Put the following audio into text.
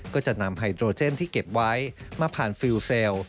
ก็จะนำไฮโดรเจนที่เก็บไว้มาผ่านฟิลเซลล์